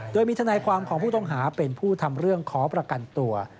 โดยมีทนายความของผู้ต้องหาเป็นผู้ทำเรื่องขอประกันตัว